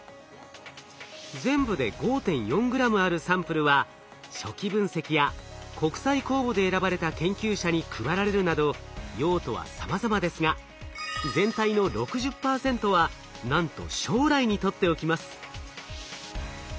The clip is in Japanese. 全部で５．４グラムあるサンプルは初期分析や国際公募で選ばれた研究者に配られるなど用途はさまざまですが全体の６０％はなんと将来に取っておきます。